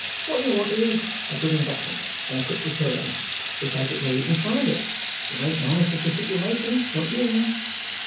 What you want is a good investment and a quick return. You take it where you can find it. You ain't nice as to situation not you.